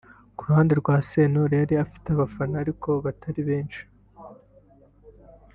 Ku ruhande rwa Sentore yari afite abafana ariko batari benshi